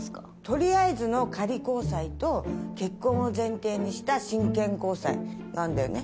とりあえずの「仮交際」と結婚を前提にした「真剣交際」があるんだよね？